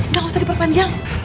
udah gak usah diperpanjang